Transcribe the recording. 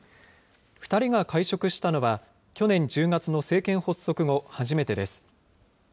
２人が会食したのは、去年１０月の政権発足後初めてです。